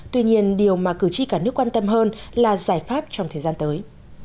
tuy nhiên điều mà cử tri cả nước quan tâm hơn là giải pháp trong thời gian tới